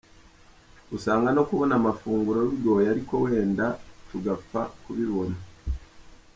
Usanga no kubona amafunguro bigoye ariko wenda tugapfa kubibona.